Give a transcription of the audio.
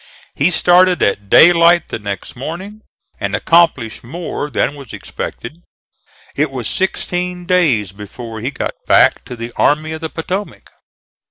He started at daylight the next morning, and accomplished more than was expected. It was sixteen days before he got back to the Army of the Potomac.